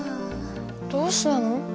どうしたの？